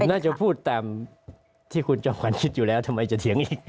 น่าจะพูดตามที่คุณจอมขวัญคิดอยู่แล้วทำไมจะเถียงอีก